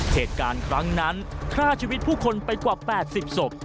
เหตุการณ์ครั้งนั้นฆ่าชีวิตผู้คนไปกว่า๘๐ศพ